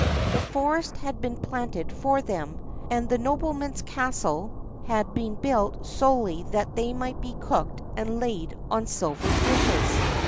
The forest had been planted for them, and the nobleman's castle had been built solely that they might be cooked and laid on silver dishes.